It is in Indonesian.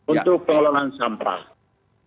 untuk pengelolaan sampah